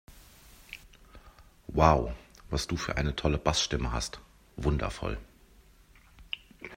Wow, was du für eine tolle Bassstimme hast! Wundervoll!